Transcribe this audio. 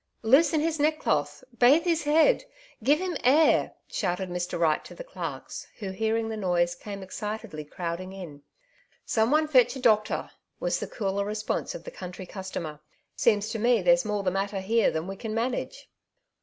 *' Loosen his neckcloth ! bathe his head ! give him air !" shouted Mr. Wright to the clerks, who, hear ing the noise, came excitedly crowding in. '* Some one fetch a doctor !" was the cooler response of the country customer. '* Seems to me there^s more the matter here than we can manage."